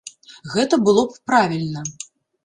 Гэта было б правільна.